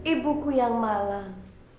ibuku yang malang